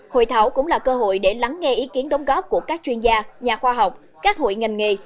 hội thảo cũng là cơ hội để lắng nghe ý kiến đóng góp của các chuyên gia nhà khoa học các hội ngành nghề